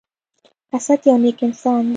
اسد يو نیک انسان دی.